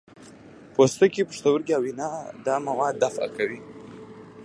پوستکی، پښتورګي او ینه دا مواد دفع کوي.